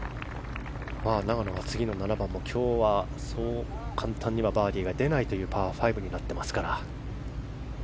永野が次の７番で今日は、そう簡単にバーディーが出ないというパー５になっていますから。